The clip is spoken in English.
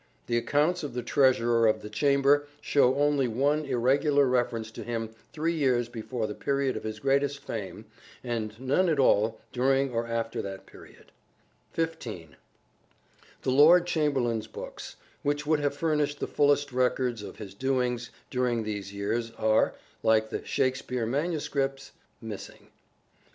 The accounts of the Treasurer of the Chamber show only one irregular reference to him three years before the period of his greatest fame, and none at all during or after that period. THE STRATFORDIAN VIEW 87 15. The Lord Chamberlain's Books, which would have furnished the fullest records of his doings during these years, are, like the " Shakespeare " manuscripts, missing.